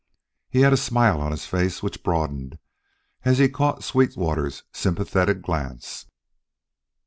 He had a smile on his face which broadened as he caught Sweetwater's sympathetic glance.